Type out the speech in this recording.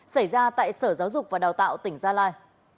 xảy ra tại sở giáo dục và đào tạo tỉnh gia lai